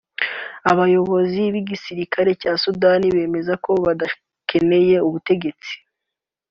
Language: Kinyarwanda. Abayoboye igisirikare cya Sudani bemeza ko badakeneye ubutegetsi